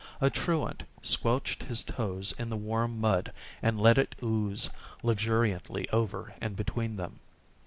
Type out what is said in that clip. A truant squelched his toes in the warm mud and let it ooze luxuriantly over and between them.